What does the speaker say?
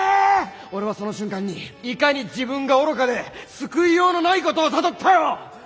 俺はその瞬間にいかに自分が愚かで救いようのないことを悟ったよ。